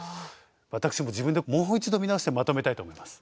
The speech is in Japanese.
私も自分でもう一度見直してまとめたいと思います。